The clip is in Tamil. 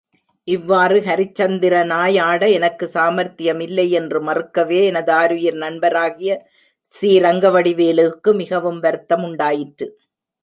இவ்வாறு ஹரிச்சந்திரனாயாட எனக்குச் சாமர்த்தியமில்லை என்று மறுக்கவே, எனதாருயிர் நண்பராகிய சி.ரங்கவடிவேலுக்கு மிகவும் வருத்தமுண்டாயிற்று.